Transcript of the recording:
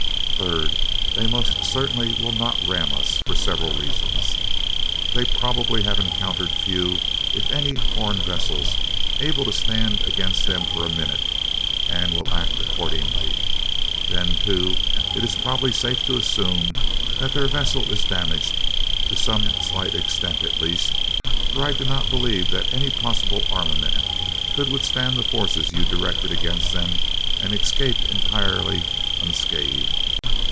Third, they most certainly will not ram us, for several reasons. They probably have encountered few, if any, foreign vessels able to stand against them for a minute, and will act accordingly. Then, too, it is probably safe to assume that their vessel is damaged, to some slight extent at least; for I do not believe that any possible armament could withstand the forces you directed against them and escape entirely unscathed.